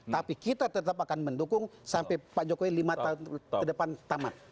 tapi kita tetap akan mendukung sampai pak jokowi lima tahun ke depan tamat